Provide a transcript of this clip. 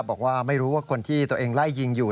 บอกว่าไม่รู้ว่าคนที่ตัวเองไล่ยิงอยู่